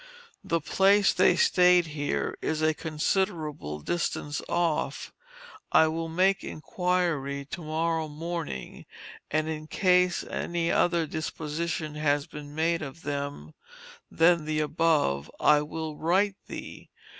The place they stayed here is a considerable distance off. I will make inquiry to morrow morning, and in case any other disposition has been made of them than the above I will write thee.